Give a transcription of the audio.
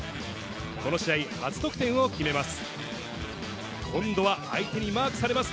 この試合、初得点を決めます。